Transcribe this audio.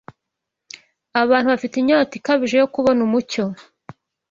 Abantu bafite inyota ikabije yo kubona umucyo